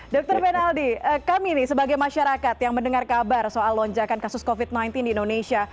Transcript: dr menaldi kami nih sebagai masyarakat yang mendengar kabar soal lonjakan kasus covid sembilan belas di indonesia